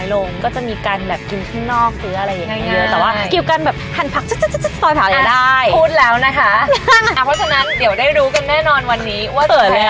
เดี๋ยวเดินทางกันไปก่อนเพื่อไปดูว่าทำภารกิจอะไรกันก่อนค่ะ